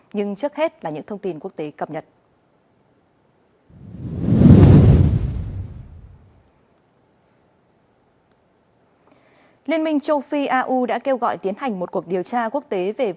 nhưng trước hết là những thông tin quốc tế cập nhật